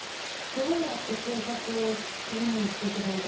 どうやって生活を切り盛りしていけばいいか。